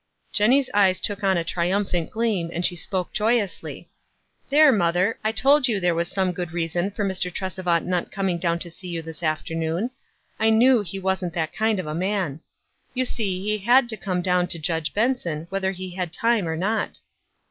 Jenny's eyes took on a triumphant gleam, and she spoke joyousty, — "There, mother, I told you there was some good reason for Mr. Trcsevant not coming down to sec you this afternoon. I knew he wasn't fiat kind of a man. You see he had to come down to Judge Benson, whether he had time or not."